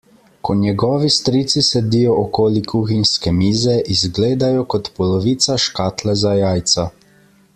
Ko njegovi strici sedijo okoli kuhinjske mize, izgledajo kot polovica škatle za jajca.